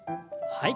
はい。